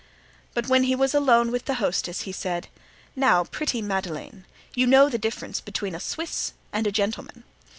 But when he was alone with the hostess he said: "Now, pretty Madeleine, you know the difference between a Swiss and a gentleman.